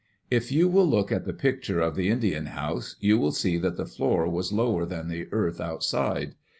If you will look at the picture of the Indian house, you will see that the floor was lower than the earth out side.